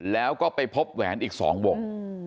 แล้วก็ไปพบแหวนอีก๒วง